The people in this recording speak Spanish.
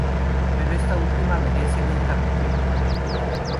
Pero esta última merece un capítulo aparte.